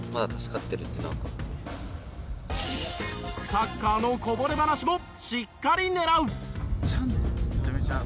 サッカーのこぼれ話もしっかり狙う。